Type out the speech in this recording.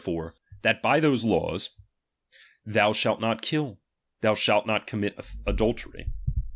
fore, that by those laws ; Thou shaft not kill, "^ T/tou shall not commit adultery.